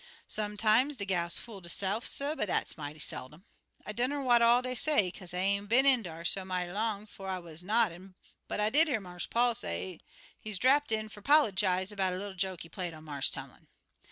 Sometimes de gals fools deyse'f, suh, but dat's mighty seldom. "I dunner what all dey say, kaze I ain't been in dar so mighty long 'fo' I wuz nodding but I did hear Marse Paul say he des drapt in fer 'pollygize 'bout a little joke he played on Marse Tumlin.